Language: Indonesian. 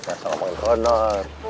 soleh sama pak ustadz